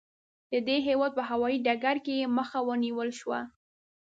د دې هېواد په هوايي ډګر کې یې مخه ونیول شوه.